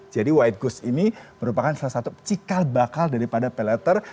jadi white goods ini merupakan salah satu cikal bakal daripada pay later